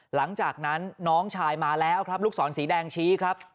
หลังจากนั้นน้องชายมาแล้วครับลูกศรสีแดงชี้ครับ